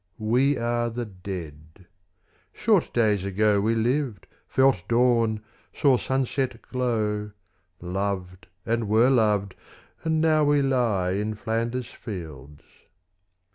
We are the Dead. Short days ago We lived, felt dawn, saw sunset glow, Loved, and were loved, and now we lie In Flanders fields.